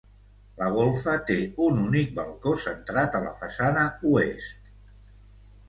La golfa té un únic balcó centrat a la façana oest.